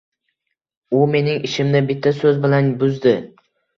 U mening ishimni bitta so'z bilan buzdi.